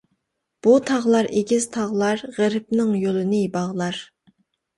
بۇ تاغلار ئېگىز تاغلار، غېرىبنىڭ يولىنى باغلار.